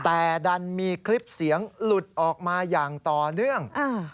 แต่ดันมีคลิปเสียงหลุดออกมาอย่างต่อเนื่อง